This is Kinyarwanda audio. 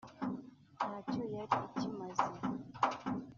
ntacyo yari ikimaze